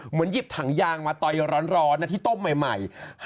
เหมือนยิบถังยางมาตอยร้อนที่ต้มใหม่